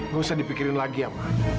gak usah dipikirin lagi ya ma